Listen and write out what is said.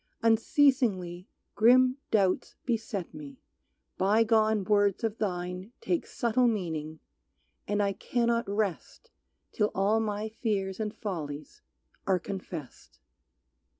Unceasingly Grim doubts beset me, bygone words of thine Take subtle meaning, and I cannot rest Till all my fears and follies are confessed.